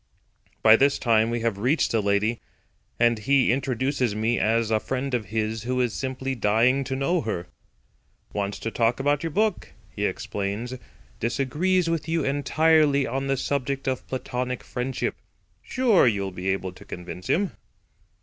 By this time we have reached the lady, and he introduces me as a friend of his who is simply dying to know her. "Wants to talk about your book," he explains. "Disagrees with you entirely on the subject of platonic friendship. Sure you'll be able to convince him."